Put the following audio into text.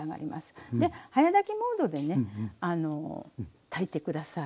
早炊きモードでね炊いてください。